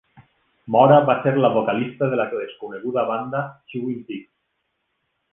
Mora va ser la vocalista de la desconeguda banda Chewing Pics.